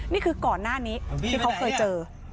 นี่คือก่อนหน้านี้ที่เขาเคยเจอ